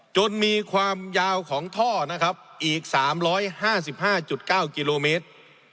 จนมีความยาวของท่อนะครับอีก๓๕๕๙กิโลเมตร